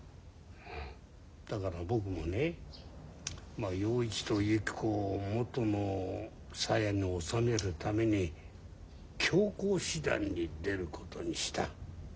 だから僕もね洋一とゆき子を元のさやに納めるために強硬手段に出ることにした。